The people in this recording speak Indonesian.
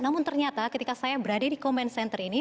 namun ternyata ketika saya berada di comment center ini